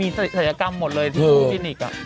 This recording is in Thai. มีศัลยกรรมหมดเลยที่ฟินิกอ่ะ